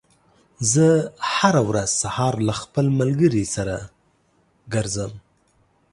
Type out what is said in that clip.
زه هره ورځ سهار له خپل ملګري سره ګرځم.